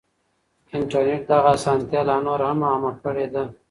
انټرنټ دغه اسانتيا لا نوره هم عامه کړې ده.